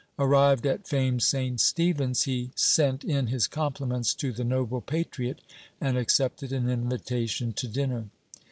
Arrived at famed St. Stephen's, he sent in his compliments to the noble patriot and accepted an invitation to dinner.